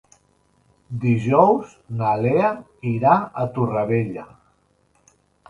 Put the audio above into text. Dijous na Lea irà a Torrevella.